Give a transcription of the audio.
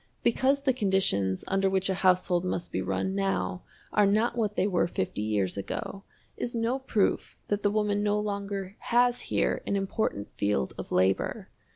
Because the conditions under which a household must be run now are not what they were fifty years ago is no proof that the woman no longer has here an important field of labor.